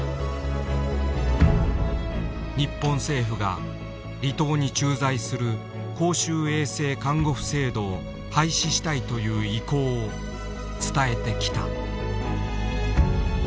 日本政府が離島に駐在する公衆衛生看護婦制度を廃止したいという意向を伝えてきた。